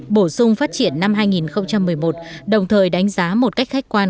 bổ sung phát triển năm hai nghìn một mươi một đồng thời đánh giá một cách khách quan